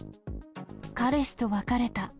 彼氏と別れた。